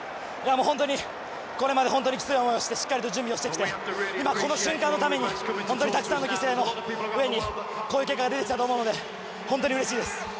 本当にこれまで本当にきつい思いをしてしっかりと準備をしてきて今この瞬間のために本当にたくさんの犠牲の上にこういう結果が出てきたと思うので本当にうれしいです。